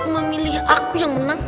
memilih aku yang menang